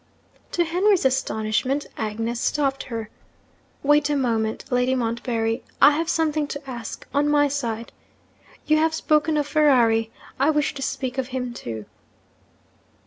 To Henry's astonishment, Agnes stopped her. 'Wait a moment, Lady Montbarry. I have something to ask on my side. You have spoken of Ferrari. I wish to speak of him too.'